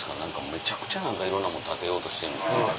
めちゃくちゃいろんなもん建てようとしてる。